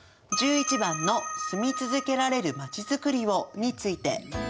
１１番の「住み続けられるまちづくりを」について。